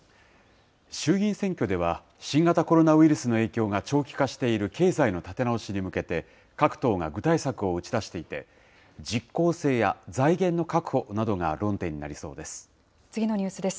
衆議院選挙では、新型コロナウイルスの影響が長期化している経済の立て直しに向けて、各党が具体策を打ち出していて、実効性や財源の確保などが論点になりそうです。